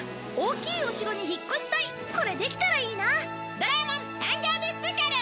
『ドラえもん』誕生日スペシャル！